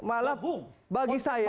malah bagi saya